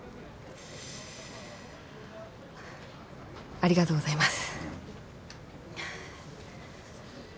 ありがとうございます。